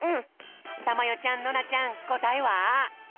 たまよちゃんノナちゃんこたえは？